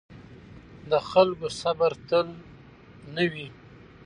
د خلکو صبر تل نه وي